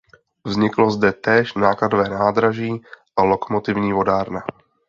Vzniklo zde též nákladové nádraží a lokomotivní vodárna.